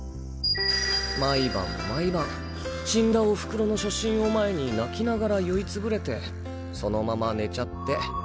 毎晩毎晩死んだお袋の写真を前に泣きながら酔いつぶれてそのまま寝ちゃって。